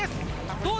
どうだ？